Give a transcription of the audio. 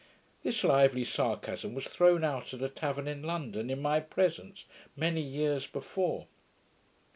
This lively sarcasm was thrown out at a tavern in London, in my presence, many years before.